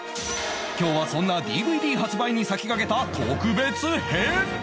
今日はそんな ＤＶＤ 発売に先駆けた特別編！